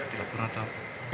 tidak pernah tahu